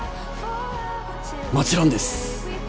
もちろんです！